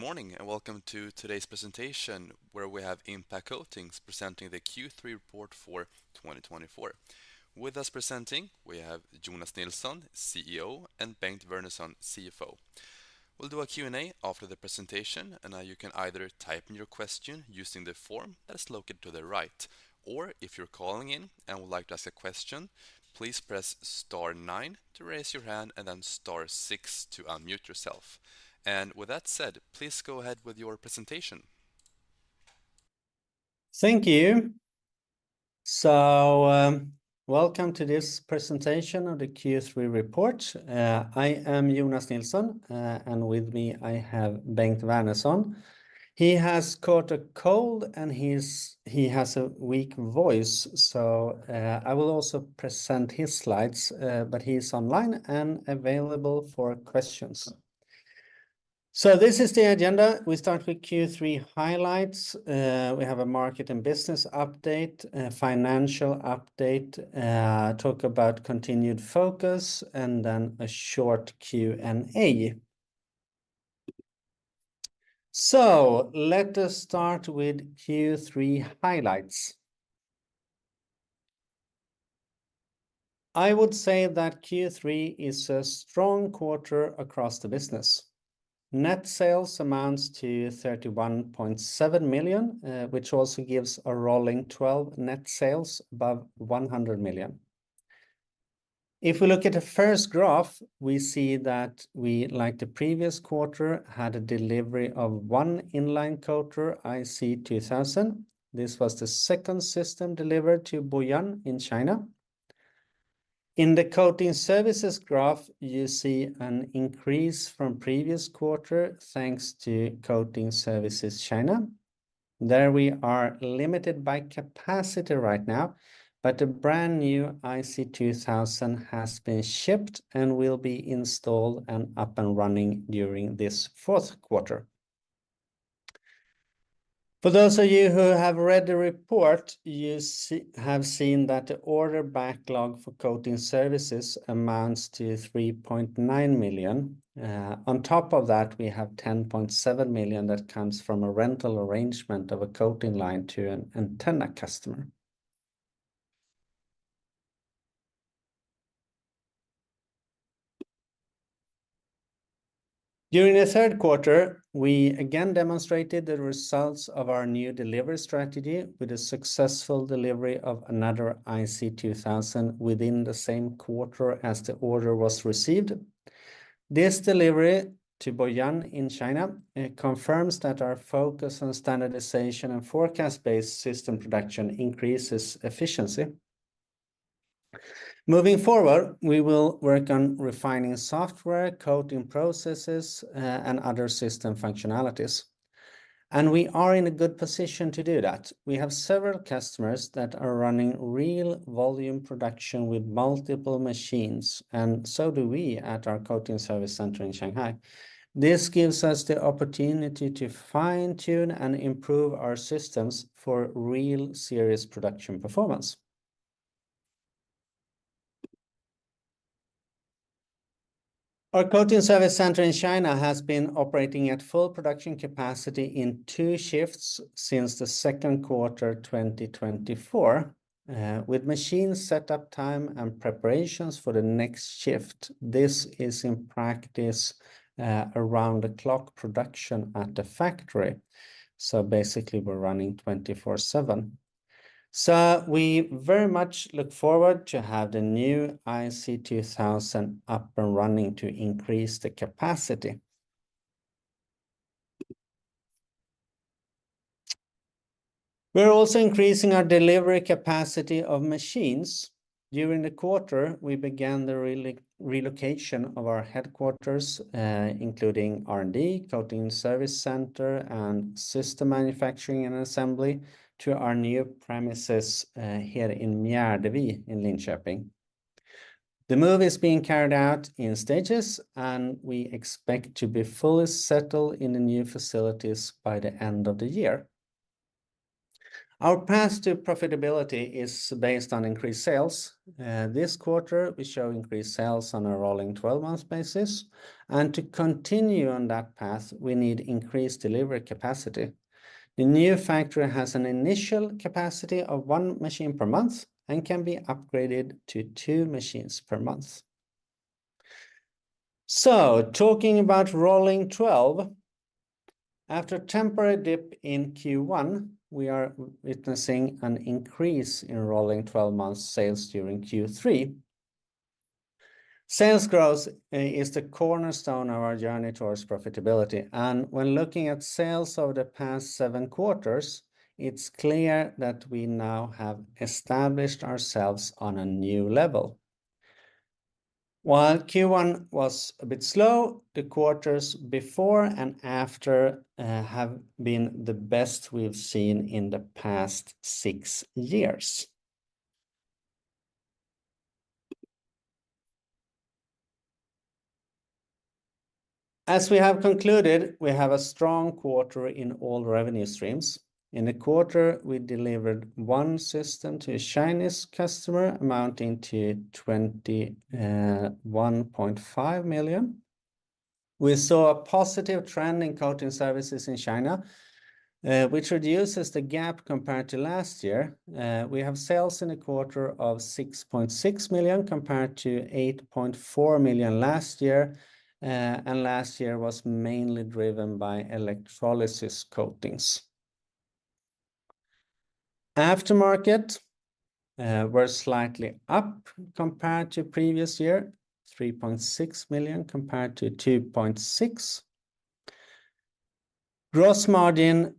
Good morning, and welcome to today's presentation, where we have Impact Coatings presenting the Q3 report for 2024. With us presenting, we have Jonas Nilsson, CEO, and Bengt Wernersson, CFO. We'll do a Q&A after the presentation, and you can either type in your question using the form that is located to the right, or if you're calling in and would like to ask a question, please press star nine to raise your hand and then star six to unmute yourself. And with that said, please go ahead with your presentation. Thank you. So, welcome to this presentation of the Q3 report. I am Jonas Nilsson, and with me, I have Bengt Wernersson. He has caught a cold, and he has a weak voice, so, I will also present his slides. But he's online and available for questions. So this is the agenda. We start with Q3 highlights. We have a market and business update, a financial update, talk about continued focus, and then a short Q&A. So let us start with Q3 highlights. I would say that Q3 is a strong quarter across the business. Net sales amounts to 31.7 million, which also gives a rolling twelve net sales above 100 million. If we look at the first graph, we see that we, like the previous quarter, had a delivery of one inline coater, IC2000. This was the second system delivered to Boyuan in China. In the coating services graph, you see an increase from previous quarter, thanks to Coating Services China. There, we are limited by capacity right now, but a brand-new IC2000 has been shipped and will be installed and up and running during this fourth quarter. For those of you who have read the report, you have seen that the order backlog for coating services amounts to 3.9 million. On top of that, we have 10.7 million that comes from a rental arrangement of a coating line to an antenna customer. During the third quarter, we again demonstrated the results of our new delivery strategy with a successful delivery of another IC2000 within the same quarter as the order was received. This delivery to Boyuan in China, it confirms that our focus on standardization and forecast-based system production increases efficiency. Moving forward, we will work on refining software, coating processes, and other system functionalities, and we are in a good position to do that. We have several customers that are running real volume production with multiple machines, and so do we at our coating service center in Shanghai. This gives us the opportunity to fine-tune and improve our systems for real serious production performance. Our coating service center in China has been operating at full production capacity in two shifts since the second quarter 2024, with machine setup time and preparations for the next shift. This is, in practice, around-the-clock production at the factory, so basically, we're running twenty-four/seven. So we very much look forward to have the new IC2000 up and running to increase the capacity. We're also increasing our delivery capacity of machines. During the quarter, we began the relocation of our headquarters, including R&D, coating service center, and system manufacturing and assembly, to our new premises, here in Mjärdevi, in Linköping. The move is being carried out in stages, and we expect to be fully settled in the new facilities by the end of the year. Our path to profitability is based on increased sales. This quarter, we show increased sales on a rolling twelve-month basis, and to continue on that path, we need increased delivery capacity. The new factory has an initial capacity of one machine per month and can be upgraded to two machines per month. So talking about rolling twelve, after a temporary dip in Q1, we are witnessing an increase in rolling twelve-months sales during Q3. Sales growth is the cornerstone of our journey towards profitability, and when looking at sales over the past seven quarters, it's clear that we now have established ourselves on a new level. While Q1 was a bit slow, the quarters before and after have been the best we've seen in the past six years. As we have concluded, we have a strong quarter in all revenue streams. In the quarter, we delivered one system to a Chinese customer, amounting to 21.5 million. We saw a positive trend in coating services in China, which reduces the gap compared to last year. We have sales in the quarter of 6.6 million, compared to 8.4 million last year, and last year was mainly driven by electrolysis coatings. Aftermarket were slightly up compared to previous year, 3.6 million compared to 2.6 million. Gross margin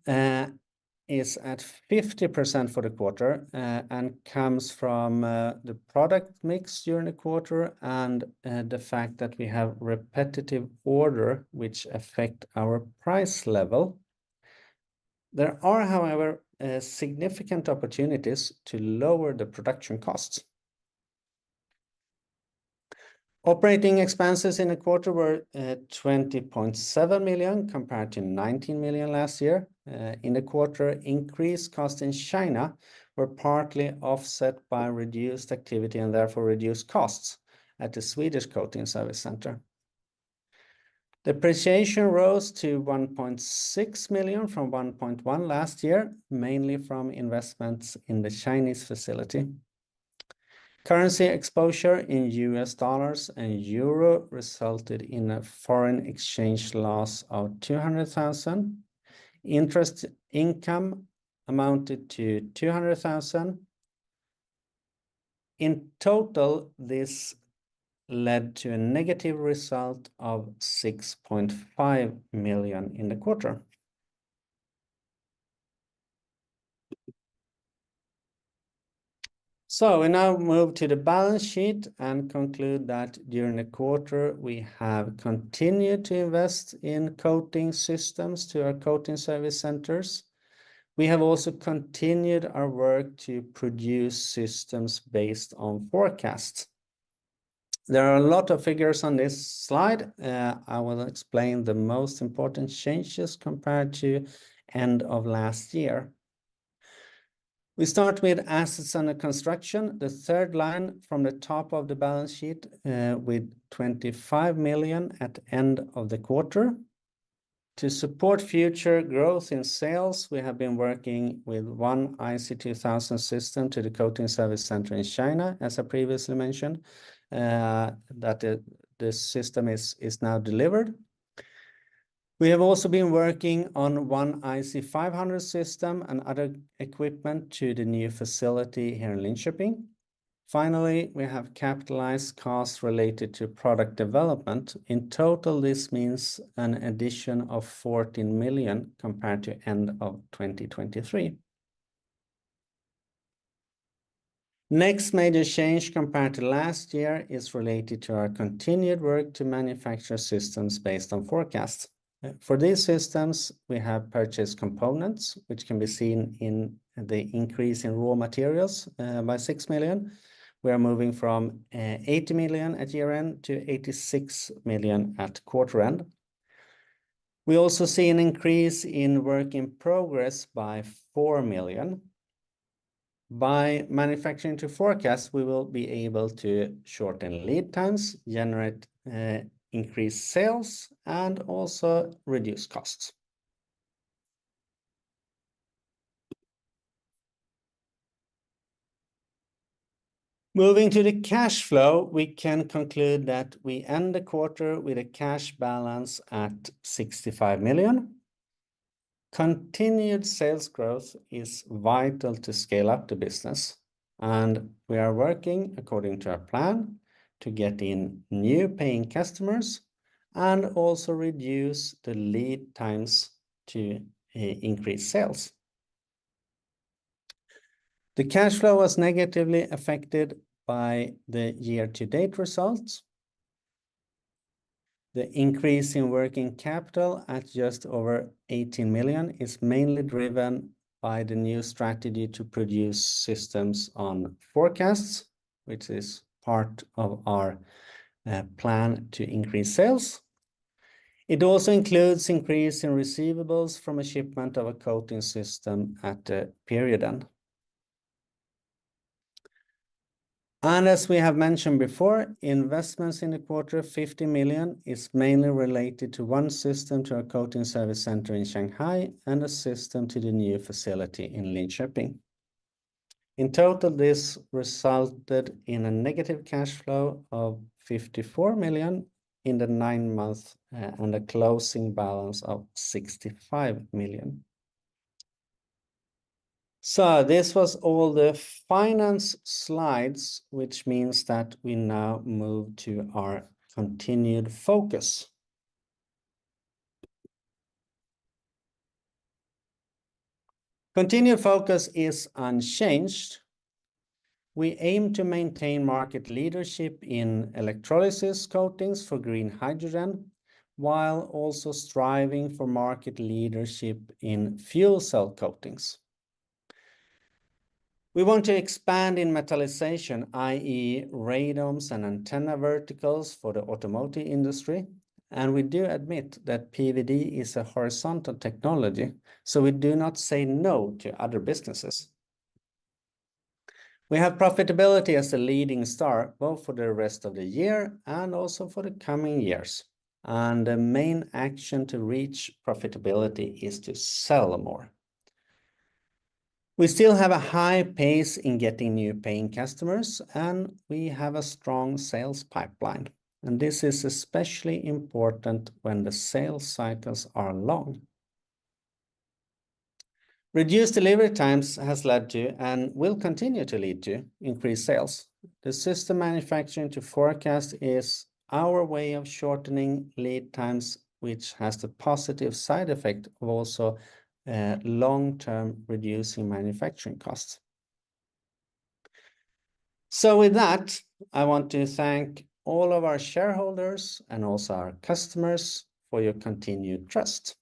is at 50% for the quarter, and comes from the product mix during the quarter and the fact that we have repetitive order which affect our price level. There are, however, significant opportunities to lower the production costs. Operating expenses in the quarter were 20.7 million, compared to 19 million last year. In the quarter, increased costs in China were partly offset by reduced activity, and therefore reduced costs at the Swedish coating service center. Depreciation rose to 1.6 million from 1.1 million last year, mainly from investments in the Chinese facility. Currency exposure in U.S. dollars and euro resulted in a foreign exchange loss of 200,000. Interest income amounted to 200,000. In total, this led to a negative result of 6.5 million in the quarter, so we now move to the balance sheet and conclude that during the quarter, we have continued to invest in coating systems to our coating service centers. We have also continued our work to produce systems based on forecasts. There are a lot of figures on this slide. I will explain the most important changes compared to end of last year. We start with assets under construction, the third line from the top of the balance sheet, with 25 million at end of the quarter. To support future growth in sales, we have been working with one IC2000 system to the coating service center in China, as I previously mentioned, that the system is now delivered. We have also been working on one IC500 system and other equipment to the new facility here in Linköping. Finally, we have capitalized costs related to product development. In total, this means an addition of 14 million compared to end of 2023. Next major change compared to last year is related to our continued work to manufacture systems based on forecasts. For these systems, we have purchased components which can be seen in the increase in raw materials by 6 million. We are moving from 80 million at year-end to 86 million at quarter end. We also see an increase in work in progress by 4 million. By manufacturing to forecast, we will be able to shorten lead times, generate increased sales, and also reduce costs. Moving to the cash flow, we can conclude that we end the quarter with a cash balance at 65 million. Continued sales growth is vital to scale up the business, and we are working according to our plan to get in new paying customers and also reduce the lead times to increase sales. The cash flow was negatively affected by the year-to-date results. The increase in working capital at just over 18 million is mainly driven by the new strategy to produce systems on forecasts, which is part of our plan to increase sales. It also includes increase in receivables from a shipment of a coating system at the period end. And as we have mentioned before, investments in the quarter, 50 million, is mainly related to one system to our coating service center in Shanghai and a system to the new facility in Linköping. In total, this resulted in a negative cash flow of 54 million in the nine months and a closing balance of 65 million. So this was all the finance slides, which means that we now move to our continued focus. Continued focus is unchanged. We aim to maintain market leadership in electrolysis coatings for green hydrogen, while also striving for market leadership in fuel cell coatings. We want to expand in metallization, i.e., radomes and antenna verticals for the automotive industry, and we do admit that PVD is a horizontal technology, so we do not say no to other businesses. We have profitability as a leading star, both for the rest of the year and also for the coming years. And the main action to reach profitability is to sell more. We still have a high pace in getting new paying customers, and we have a strong sales pipeline, and this is especially important when the sales cycles are long. Reduced delivery times has led to, and will continue to lead to increased sales. The system manufacturing to forecast is our way of shortening lead times, which has the positive side effect of also, long-term reducing manufacturing costs. With that, I want to thank all of our shareholders and also our customers for your continued trust.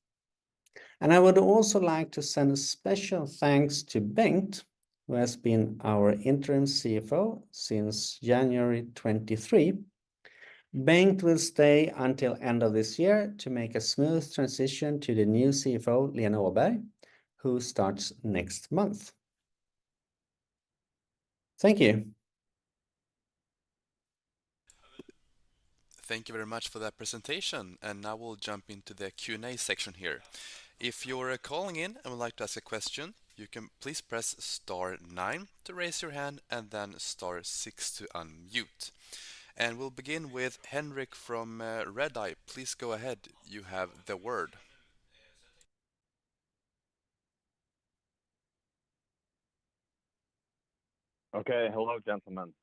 I would also like to send a special thanks to Bengt, who has been our interim CFO since January 2023. Bengt will stay until end of this year to make a smooth transition to the new CFO, Lena Åberg, who starts next month. Thank you. Thank you very much for that presentation, and now we'll jump into the Q&A section here. If you're calling in and would like to ask a question, you can please press star nine to raise your hand and then star six to unmute, and we'll begin with Henrik from Redeye. Please go ahead. You have the word. Okay. Hello, gentlemen.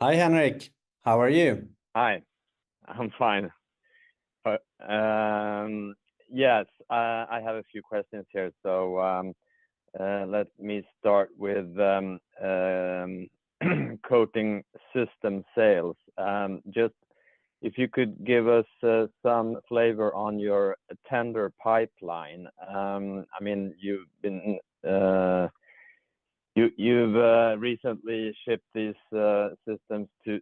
Hi, Henrik. How are you? Hi. I'm fine. But yes, I have a few questions here. So let me start with coating system sales. Just if you could give us some flavor on your tender pipeline. I mean, you've recently shipped these systems to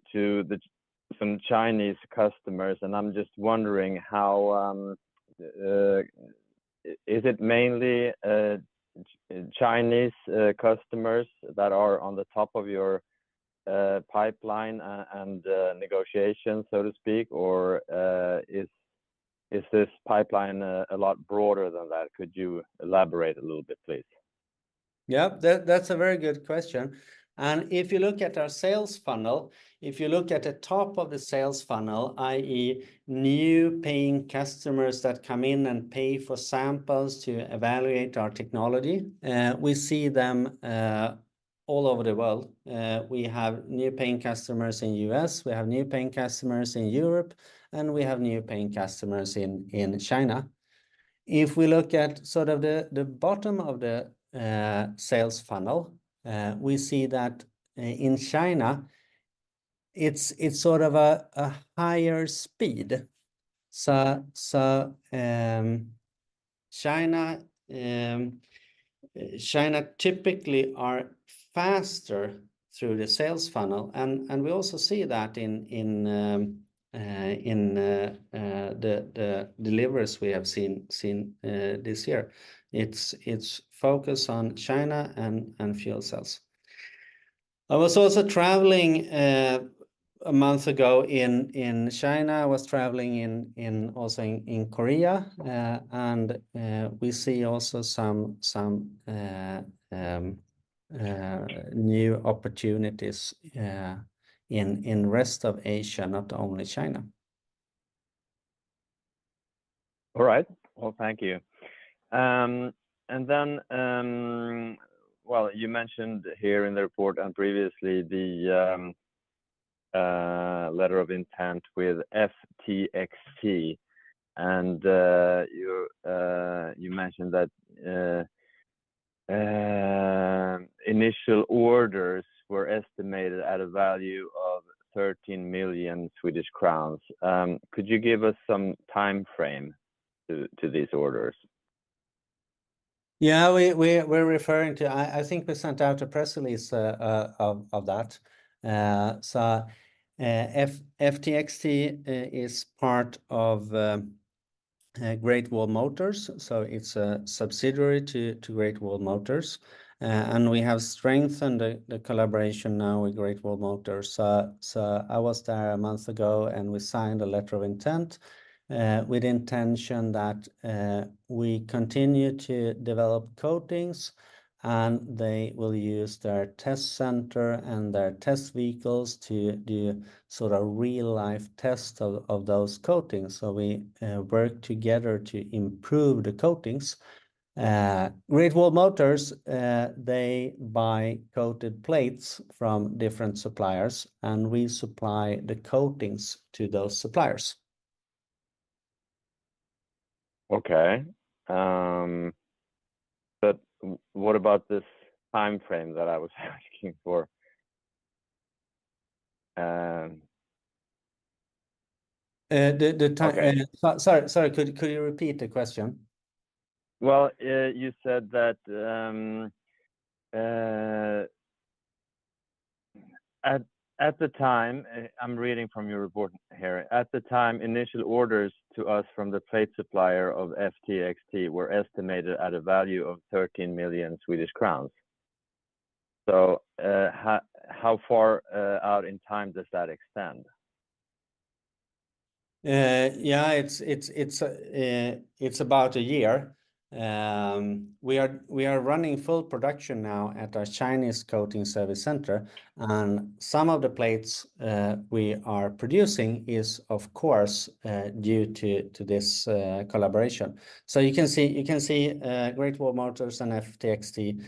some Chinese customers, and I'm just wondering, is it mainly Chinese customers that are on the top of your pipeline and negotiation, so to speak, or is this pipeline a lot broader than that? Could you elaborate a little bit, please? Yeah, that, that's a very good question. And if you look at our sales funnel, if you look at the top of the sales funnel, i.e., new paying customers that come in and pay for samples to evaluate our technology, we see them all over the world. We have new paying customers in US, we have new paying customers in Europe, and we have new paying customers in China. If we look at sort of the bottom of the sales funnel, we see that in China, it's sort of a higher speed. China typically are faster through the sales funnel, and we also see that in the deliveries we have seen this year. It's focused on China and fuel cells. I was also traveling a month ago in China. I was traveling also in Korea, and we see also some new opportunities in rest of Asia, not only China. All right. Well, thank you and then, well, you mentioned here in the report and previously the letter of intent with FTXT, and you mentioned that initial orders were estimated at a value of 13 million Swedish crowns. Could you give us some time frame to these orders? Yeah, we're referring to... I think we sent out a press release of that. FTXT is part of Great Wall Motors, so it's a subsidiary to Great Wall Motors. And we have strengthened the collaboration now with Great Wall Motors. I was there a month ago, and we signed a letter of intent with intention that we continue to develop coatings, and they will use their test center and their test vehicles to do sort of real-life tests of those coatings. We work together to improve the coatings. Great Wall Motors, they buy coated plates from different suppliers, and we supply the coatings to those suppliers. Okay. But what about this time frame that I was asking for? The time- Okay. Sorry, sorry, could you repeat the question? At the time, I'm reading from your report here. At the time, initial orders to us from the plate supplier of FTXT were estimated at a value of 13 million Swedish crowns. So, how far out in time does that extend? Yeah, it's about a year. We are running full production now at our Chinese coating service center, and some of the plates we are producing is, of course, due to this collaboration. So you can see Great Wall Motors and FTXT,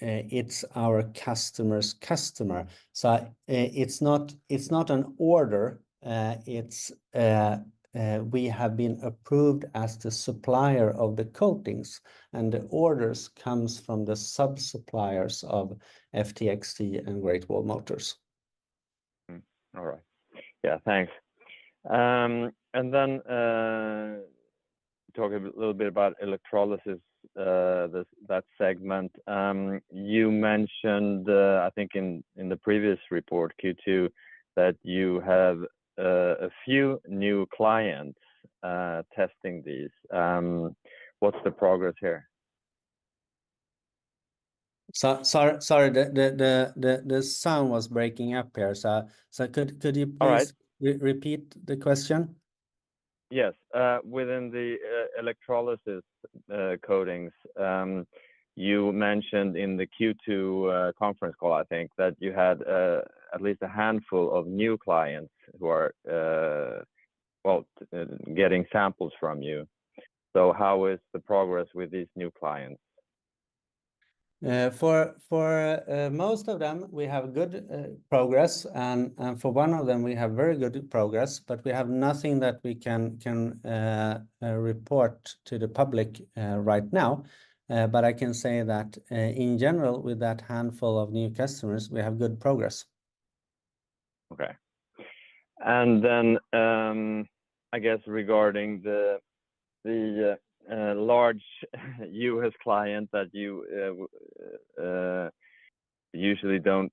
it's our customer's customer. So, it's not an order, it's we have been approved as the supplier of the coatings, and the orders comes from the sub-suppliers of FTXT and Great Wall Motors. All right. Yeah, thanks. And then talk a little bit about electrolysis, that segment. You mentioned, I think in the previous report, Q2, that you have a few new clients testing these. What's the progress here? Sorry, the sound was breaking up here, so could you please- All right Repeat the question? Yes. Within the electrolysis coatings, you mentioned in the Q2 conference call, I think, that you had at least a handful of new clients who are well getting samples from you. So how is the progress with these new clients? For most of them, we have good progress, and for one of them, we have very good progress, but we have nothing that we can report to the public right now, but I can say that in general, with that handful of new customers, we have good progress. Okay. And then, I guess regarding the large U.S. client that you usually don't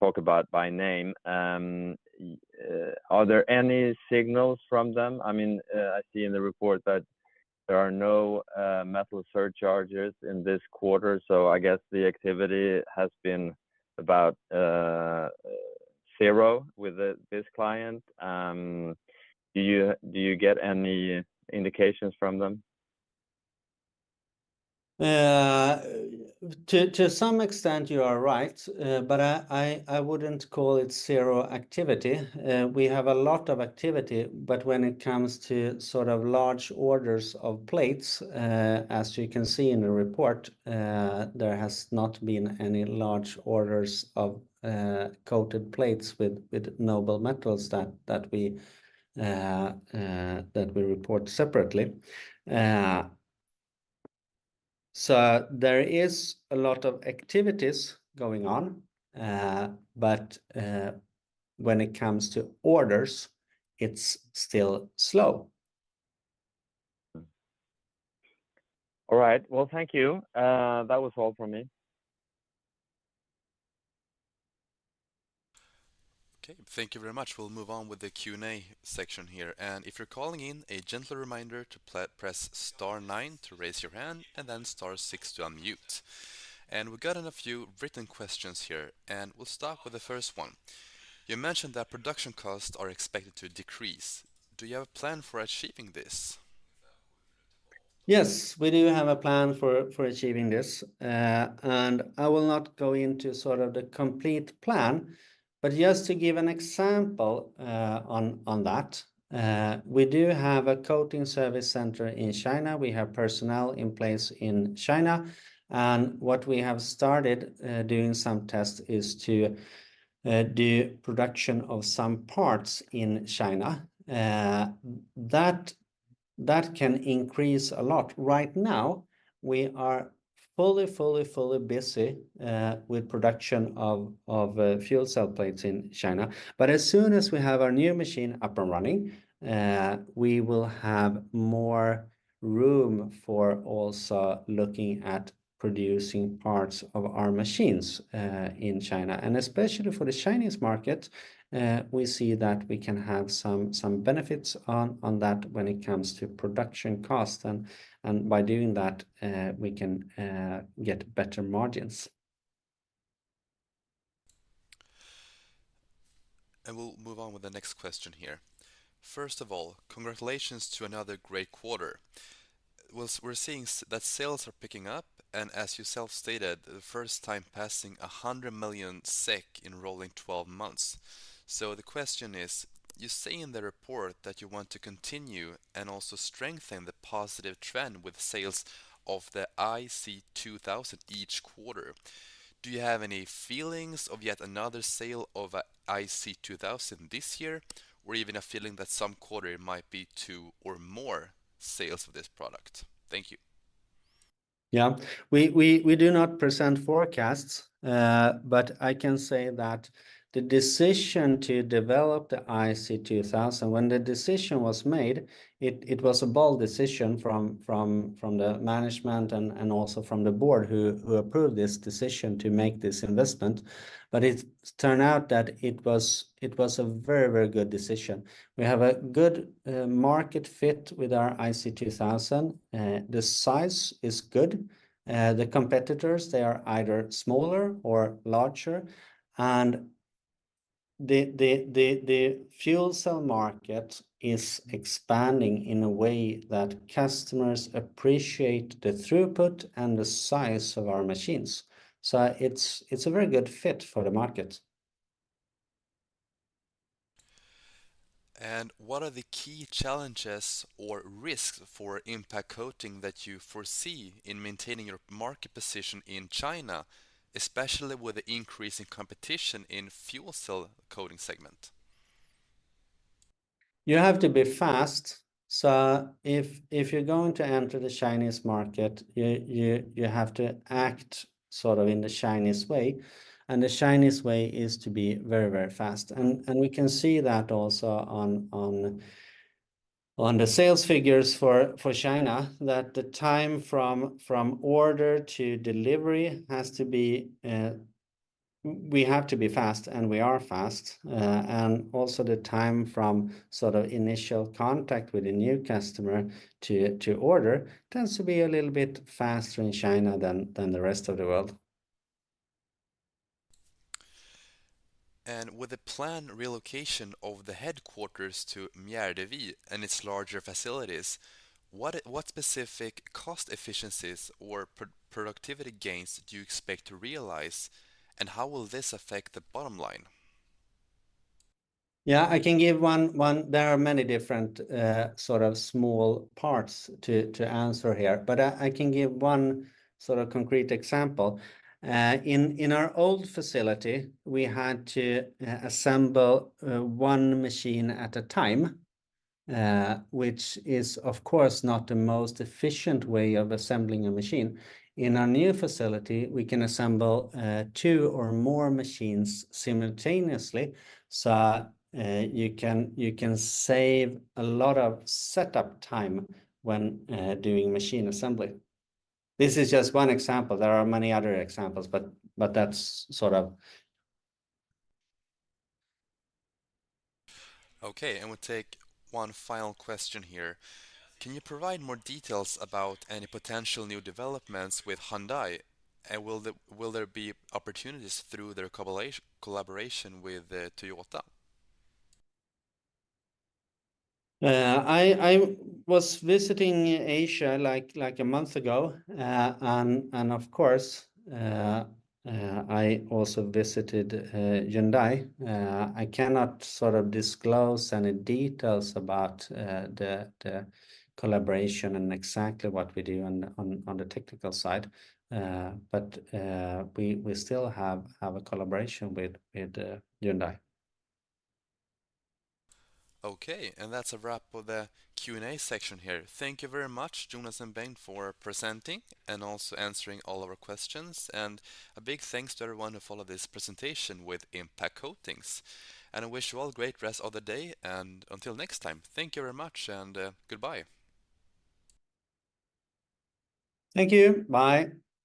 talk about by name, are there any signals from them? I mean, I see in the report that there are no metal surcharges in this quarter, so I guess the activity has been about zero with this client. Do you get any indications from them? To some extent you are right, but I wouldn't call it zero activity. We have a lot of activity, but when it comes to sort of large orders of plates, as you can see in the report, there has not been any large orders of coated plates with noble metals that we report separately. So there is a lot of activities going on, but when it comes to orders, it's still slow. All right. Well, thank you. That was all from me. Okay, thank you very much. We'll move on with the Q&A section here. If you're calling in, a gentle reminder to please press star nine to raise your hand and then star six to unmute. We've gotten a few written questions here, and we'll start with the first one. You mentioned that production costs are expected to decrease. Do you have a plan for achieving this? Yes, we do have a plan for achieving this, and I will not go into sort of the complete plan, but just to give an example, on that, we do have a coating service center in China. We have personnel in place in China, and what we have started doing some tests is to do production of some parts in China. That can increase a lot. Right now, we are fully busy with production of fuel cell plates in China, but as soon as we have our new machine up and running, we will have more room for also looking at producing parts of our machines in China. Especially for the Chinese market, we see that we can have some benefits on that when it comes to production cost, and by doing that, we can get better margins. We'll move on with the next question here. First of all, congratulations to another great quarter. We're seeing that sales are picking up, and as you self-stated, the first time passing 100 million SEK in rolling twelve months. So the question is: You say in the report that you want to continue and also strengthen the positive trend with sales of the IC2000 each quarter. Do you have any feelings of yet another sale of a IC2000 this year, or even a feeling that some quarter it might be two or more sales of this product? Thank you. Yeah, we do not present forecasts, but I can say that the decision to develop the IC2000, when the decision was made, it was a bold decision from the management and also from the board who approved this decision to make this investment. But it turned out that it was a very good decision. We have a good market fit with our IC2000. The size is good. The competitors, they are either smaller or larger, and the fuel cell market is expanding in a way that customers appreciate the throughput and the size of our machines. So it's a very good fit for the market. What are the key challenges or risks for Impact Coatings that you foresee in maintaining your market position in China, especially with the increase in competition in fuel cell coatings segment? You have to be fast, so if you're going to enter the Chinese market, you have to act sort of in the Chinese way, and the Chinese way is to be very, very fast. We can see that also on the sales figures for China, that the time from order to delivery has to be. We have to be fast, and we are fast. Also the time from sort of initial contact with a new customer to order tends to be a little bit faster in China than the rest of the world. With the planned relocation of the headquarters to Mjärdevi and its larger facilities, what specific cost efficiencies or productivity gains do you expect to realize, and how will this affect the bottom line? Yeah, I can give one. There are many different, sort of small parts to answer here, but I can give one sort of concrete example. In our old facility, we had to assemble one machine at a time, which is, of course, not the most efficient way of assembling a machine. In our new facility, we can assemble two or more machines simultaneously, so you can save a lot of setup time when doing machine assembly. This is just one example. There are many other examples, but that's sort of- Okay, and we'll take one final question here. Can you provide more details about any potential new developments with Hyundai, and will there be opportunities through their collaboration with Toyota? I was visiting Asia, like, a month ago, and of course, I also visited Hyundai. I cannot sort of disclose any details about the collaboration and exactly what we do on the technical side. But we still have a collaboration with Hyundai. Okay, and that's a wrap of the Q&A section here. Thank you very much, Jonas and Bengt, for presenting and also answering all of our questions, and a big thanks to everyone who followed this presentation with Impact Coatings, and I wish you all a great rest of the day, and until next time, thank you very much, and goodbye. Thank you. Bye.